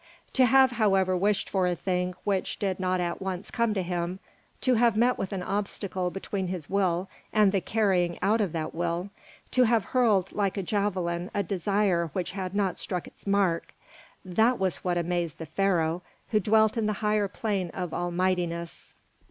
To have, however, wished for a thing which did not at once come to him, to have met with an obstacle between his will and the carrying out of that will, to have hurled like a javelin a desire which had not struck its mark, that was what amazed the Pharaoh who dwelt in the higher plane of almightiness.